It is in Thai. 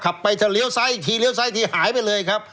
ไปจะเลี้ยวซ้ายอีกทีเลี้ยซ้ายทีหายไปเลยครับ